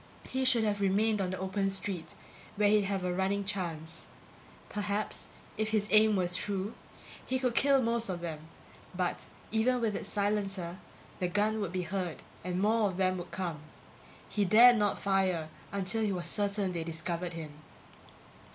He should have remained on the open street where he'd have a running chance. Perhaps, if his aim were true, he could kill most of them; but, even with its silencer, the gun would be heard and more of them would come. He dared not fire until he was certain they discovered him.